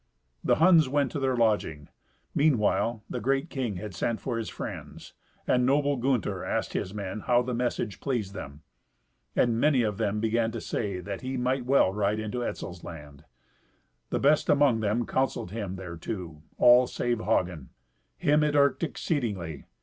The Huns went to their lodging. Meanwhile, the great king had sent for his friends, and noble Gunther asked his men how the message pleased them. And many of them began to say that he might well ride into Etzel's land. The best among them counselled him thereto—all save Hagen. Him it irked exceedingly.